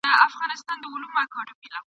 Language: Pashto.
زرکي هم کرار کرار هوښیارېدلې ..